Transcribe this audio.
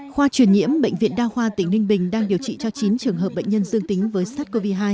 khoa truyền nhiễm bệnh viện đa khoa tỉnh ninh bình đang điều trị cho chín trường hợp bệnh nhân dương tính với sars cov hai